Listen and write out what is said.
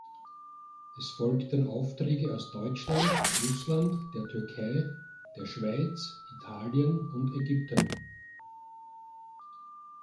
Es folgten Aufträge aus Deutschland, Russland, der Türkei, der Schweiz, Italien und Ägypten.